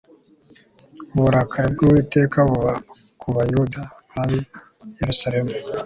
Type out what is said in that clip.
uburakari bw'uwiteka buba ku bayuda n'ab'i yerusalemu